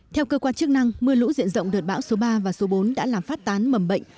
theo cơ quan chức năng mưa lũ diện rộng đợt bão số ba và số bốn đã làm phát tán mầm bệnh